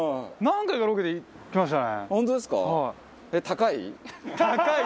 何回かロケで来ましたね。